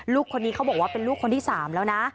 ลูกคนนี้เขาบอกว่าเป็นลูกคนที่๓แล้วนะ